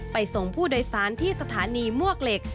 ส่งผู้โดยสารที่สถานีมวกเหล็ก